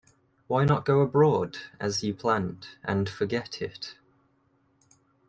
Why not go abroad, as you planned, and forget it?